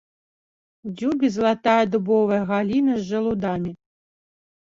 У дзюбе залатая дубовая галіна з жалудамі.